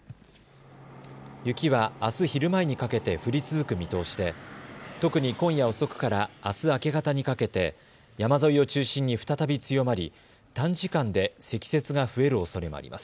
雪は、あす昼前にかけて降り続く見通しで特に今夜遅くからあす明け方にかけて山沿いを中心に再び強まり短時間で積雪が増えるおそれもあります。